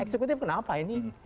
ekspektif kenapa ini